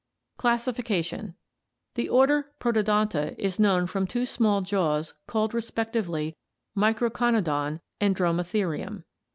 Classification. — The order Protodonta is known from two small jaws called respectively Microconodon and Dromatherium.